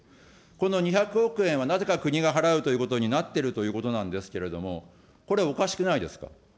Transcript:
この２００億円はなぜか国が払うということになってるということなんですけれども、これ、おかしくないですか。